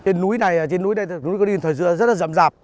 trên núi này trên núi này núi quan yên thời xưa rất là rậm rạp